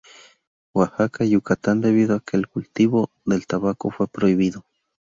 Oaxaca, Yucatán debido a que el cultivo del tabaco fue prohibido.